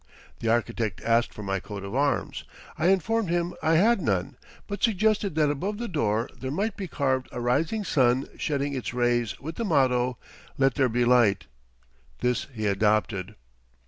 The architect asked for my coat of arms. I informed him I had none, but suggested that above the door there might be carved a rising sun shedding its rays with the motto: "Let there be light." This he adopted.